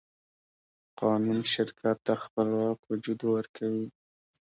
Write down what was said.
قانون شرکت ته خپلواک وجود ورکوي.